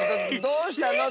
どうしたの？